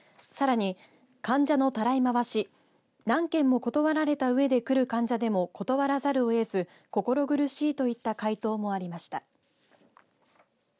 さらに、患者のたらい回し何件も断られたうえで来る患者でも断らざるを得ず、心苦しいといった回答もありました。